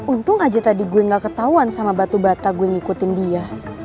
untung aja tadi gue gak ketahuan sama batu bata gue ngikutin dia